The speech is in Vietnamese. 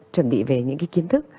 chuẩn bị về những cái kiến thức